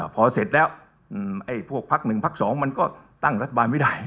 พอเสร็จแล้วไอ้พวกพักหนึ่งพักสองมันก็ตั้งรัฐบาลไม่ได้